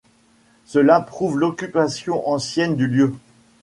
Cela prouve l’occupation ancienne du lieu.